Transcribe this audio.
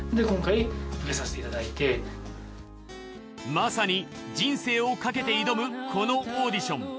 まさに人生をかけて挑むこのオーディション。